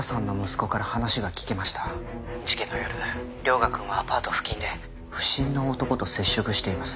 事件の夜涼牙くんはアパート付近で不審な男と接触しています。